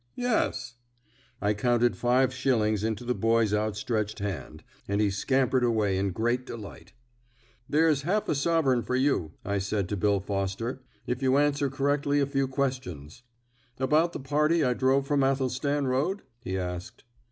"Yes." I counted five shillings into the boy's outstretched hand, and he scampered away in great delight. "There's half a sovereign for you," I said to Bill Foster, "if you answer correctly a few questions." "About the party I drove from Athelstan Road?" he asked.